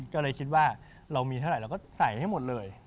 ก็เลยคิดว่าเรามีเท่าไหร่เราก็ใส่ให้หมดเลย